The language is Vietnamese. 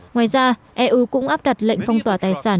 ngoài ra eu cũng áp đặt lệnh phong tỏa tài sản